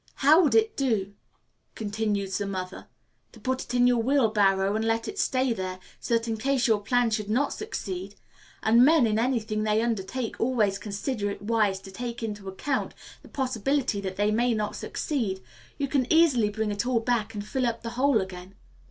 "How would it do," continues the mother, "to put it in your wheelbarrow and let it stay there, so that in case your plan should not succeed and men, in any thing that they undertake, always consider it wise to take into account the possibility that they may not succeed you can easily bring it all back and fill up the hole again."